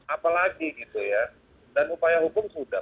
apalagi gitu ya dan upaya hukum sudah